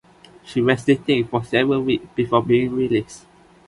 He was detained for several weeks before being released.